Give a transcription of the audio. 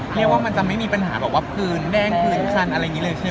เรียกว่ามันจะไม่มีปัญหาแบบว่าพื้นแดงพื้นคันอะไรอย่างนี้เลยใช่ไหม